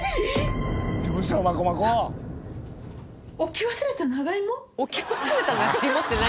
「置き忘れた長芋」って何。